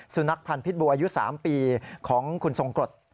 สุนัขพันธ์พิษบูอายุ๓ปีของคุณทรงกรด